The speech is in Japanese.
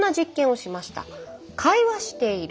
「会話している」